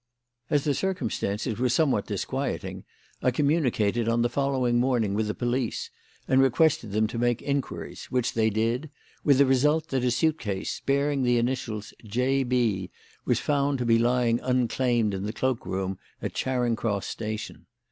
As the circumstances were somewhat disquieting, I communicated, on the following morning, with the police and requested them to make inquiries; which they did, with the result that a suit case, bearing the initials 'J.B.', was found to be lying unclaimed in the cloak room at Charing Cross Station.